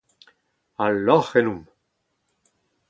Ha lorc’h ennomp.